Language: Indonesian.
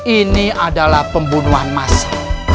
ini adalah pembunuhan masa